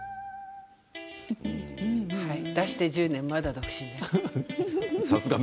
出して１０年まだ独身です。